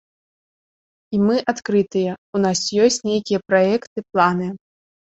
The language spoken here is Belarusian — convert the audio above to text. І мы адкрытыя, у нас ёсць нейкія праекты, планы.